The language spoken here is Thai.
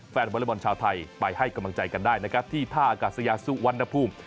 แฟนวอลเลอร์บอลชาวไทยไปให้กำลังใจกันได้ที่ท่ากาศยาสุวรรณภูมิ